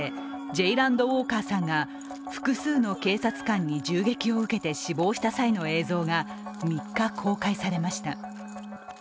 ジェイランド・ウォーカーさんが複数の警察官に銃撃を受けて死亡した際の映像が３日、公開されました。